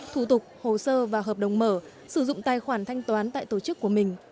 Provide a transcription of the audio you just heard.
thủ tục hồ sơ và hợp đồng mở sử dụng tài khoản thanh toán tại tổ chức của mình